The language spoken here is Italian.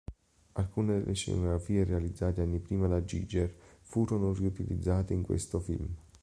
Alcune delle scenografie realizzate anni prima da Giger furono riutilizzate in questo film.